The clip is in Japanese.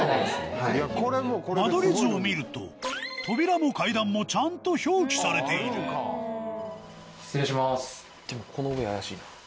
間取り図を見ると扉も階段もちゃんと表記されている失礼します。